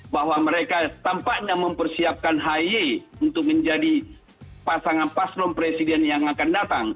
bahwa mereka tampaknya mempersiapkan ahy untuk menjadi pasangan paslon presiden yang akan datang